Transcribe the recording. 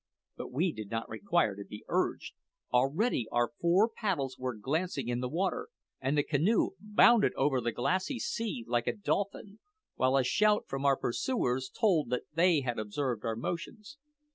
But we did not require to be urged. Already our four paddles were glancing in the water, and the canoe bounded over the glassy sea like a dolphin, while a shout from our pursuers told that they had observed our motions.